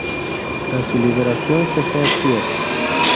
Tras su liberación se fue a Kiev.